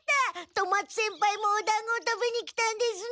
富松先輩もおだんごを食べに来たんですね。